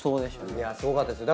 いやすごかったですよ。